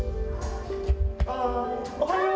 おはよう。